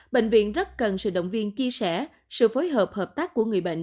bệnh viện rất cần sự động viên chia sẻ sự phối hợp hợp tác của người bệnh